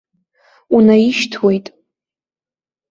Унаишьҭуеит!